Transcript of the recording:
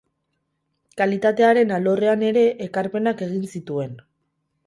Kalitatearen alorrean ere ekarpenak egin zituen.